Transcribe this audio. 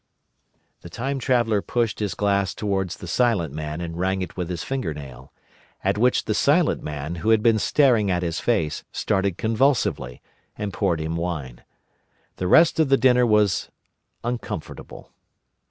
The Time Traveller pushed his glass towards the Silent Man and rang it with his fingernail; at which the Silent Man, who had been staring at his face, started convulsively, and poured him wine. The rest of the dinner was uncomfortable.